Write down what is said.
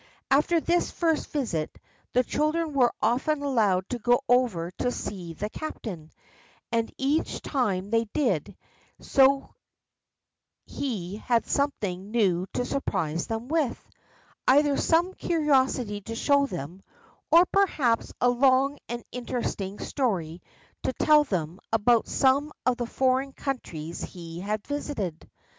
After this first visit, the children were often allowed to go over to see the captain, and each time they did so he had something new to surprise them with—either some curiosity to show them, or perhaps a long and interesting story to tell them about some of the foreign countries he had visited.